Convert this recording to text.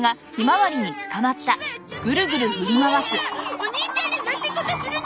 お兄ちゃんになんてことするの！